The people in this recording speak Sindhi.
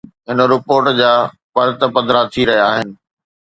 هن رپورٽ جا پرت پڌرا ٿي رهيا آهن.